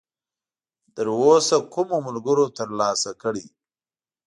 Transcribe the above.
تراوسه کومو ملګرو ترلاسه کړی!؟